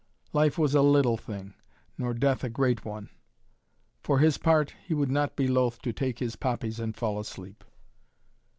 Life was a little thing, nor death a great one. For his part he would not be loth to take his poppies and fall asleep.